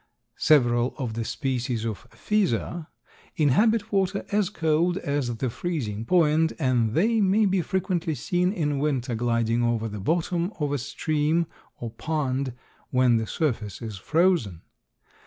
Several of the species of Physa inhabit water as cold as the freezing point and they may be frequently seen in winter gliding over the bottom of a stream or pond when the surface is frozen.